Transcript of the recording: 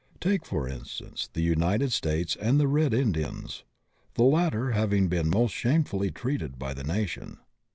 Take, for instance, the United States and the Red Indians. The latter have been most shamefully treated by the nation.